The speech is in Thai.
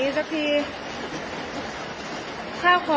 น้ำไหลแรงมากค่ะ